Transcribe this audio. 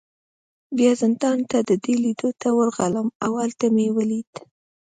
بیا زندان ته د ده لیدو ته ورغلم، او هلته مې ولید.